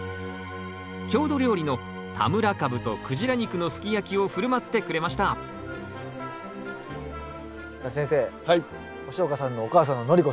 郷土料理の田村かぶとクジラ肉のすき焼きを振る舞ってくれましたじゃあ先生押岡さんのお母さんの徳子さんが。